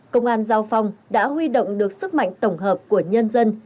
công an giao phong đã huy động được sức mạnh tổng hợp của nhân dân